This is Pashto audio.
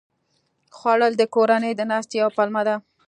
خوړل د کورنۍ د ناستې یوه پلمه ده